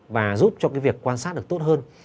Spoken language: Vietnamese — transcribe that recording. và giúp cho việc quan sát được tốt hơn